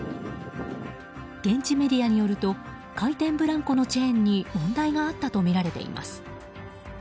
現地メディアによると回転ブランコのチェーンに問題があったとみられています。